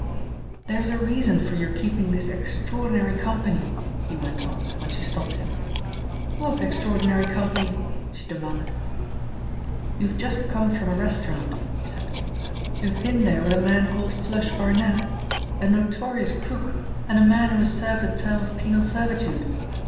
"There is a reason for your keeping this extraordinary company," he went on, when she stopped him. "What extraordinary company?" she demanded. "You have just come from a restaurant," he said. "You have been there with a man called 'Flush' Barnet, a notorious crook and a man who has served a term of penal servitude.